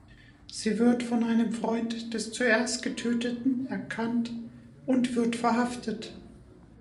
Sie wird von einem Freund des zuerst Getöteten erkannt und wird verhaftet.